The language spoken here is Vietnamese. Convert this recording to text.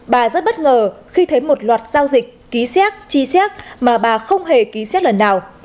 bà rất bất ngờ khi thấy một loạt giao dịch ký xác chi xét mà bà không hề ký xét lần nào